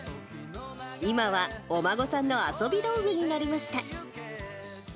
今はお孫さんの遊び道具になりました。